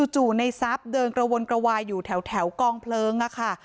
จู่นายซับเดินกระวนกระวายอยู่แถวกองเพลิงนะคะ